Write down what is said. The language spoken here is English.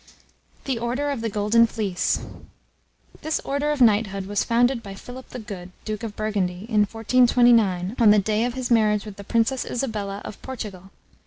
THE ORDER OF THE GOLDEN FLEECE. This order of knighthood was founded by Philip the Good, duke of Burgundy, in 1429, on the day of his marriage with the Princess Isabella of Portugal.